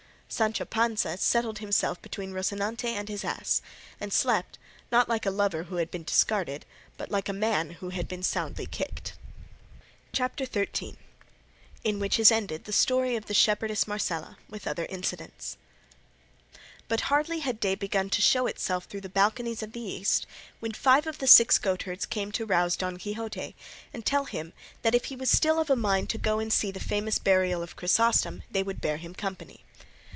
Sancho Panza settled himself between Rocinante and his ass, and slept, not like a lover who had been discarded, but like a man who had been soundly kicked. CHAPTER XIII. IN WHICH IS ENDED THE STORY OF THE SHEPHERDESS MARCELA, WITH OTHER INCIDENTS Bit hardly had day begun to show itself through the balconies of the east, when five of the six goatherds came to rouse Don Quixote and tell him that if he was still of a mind to go and see the famous burial of Chrysostom they would bear him company.